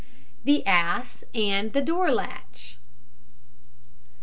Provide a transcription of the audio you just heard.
THE ASS AND THE DOOR LATCH.